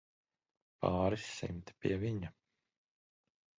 Pāris simti, pie viņa.